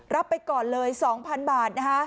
ไปก่อนเลย๒๐๐๐บาทนะคะ